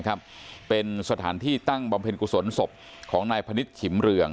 เป็นสถานที่ตั้งบำเพ็ญกุศลศพของนายพนิษฐ์ฉิมเรือง